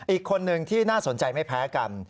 อีกคนนึงที่น่าสนใจไม่แพ้กัน